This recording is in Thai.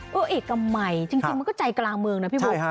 ก็เอกมัยจริงมันก็ใจกลางเมืองนะพี่บุ๊ค